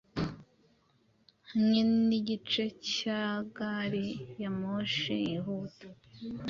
hamwe ni igice cya gari ya moshi yihuta.